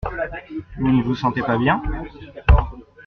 Vous ne vous sentez pas bien ?